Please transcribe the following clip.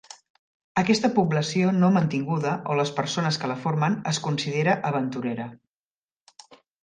Aquesta població no mantinguda, o les persones que la formen, es considera aventurera.